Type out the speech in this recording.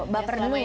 baper dulu ya